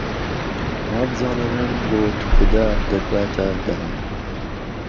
وا بزانه نان بۆ توخودا، دهتباته دایه